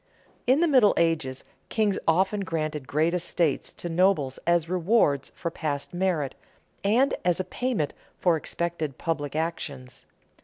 _ In the Middle Ages kings often granted great estates to nobles as rewards for past merit and as a payment for expected public actions.